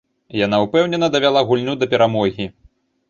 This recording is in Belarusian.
Яна ўпэўнена давяла гульню да перамогі.